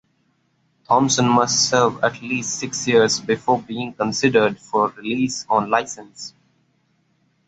Thomson must serve at least six years before being considered for release on license.